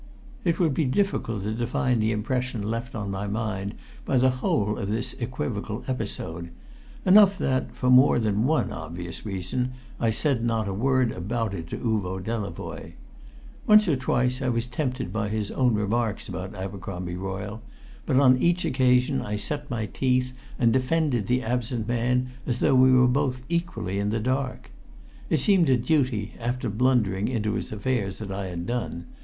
It would be difficult to define the impression left upon my mind by the whole of this equivocal episode; enough that, for more than one obvious reason, I said not a word about it to Uvo Delavoye. Once or twice I was tempted by his own remarks about Abercromby Royle, but on each occasion I set my teeth and defended the absent man as though we were both equally in the dark. It seemed a duty, after blundering into his affairs as I had done.